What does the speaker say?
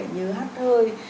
như hắt hơi